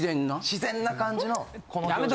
自然な感じのこの。